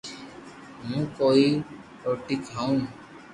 ھون ڪوئي روٽي کاو